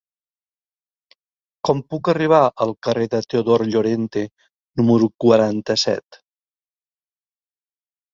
Com puc arribar al carrer de Teodor Llorente número quaranta-set?